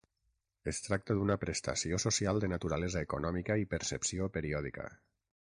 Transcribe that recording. Es tracta d'una prestació social de naturalesa econòmica i percepció periòdica.